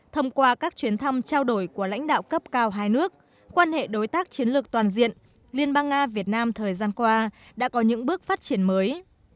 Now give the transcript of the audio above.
thông qua các chuyến thăm trao đổi của lãnh đạo cấp cao hai nước quan hệ đối tác chiến lược toàn diện liên bang nga việt nam thời gian qua đã có những bước phát triển mới